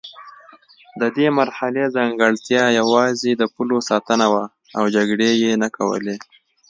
د دې مرحلې ځانګړتیا یوازې د پولو ساتنه وه او جګړې یې نه کولې.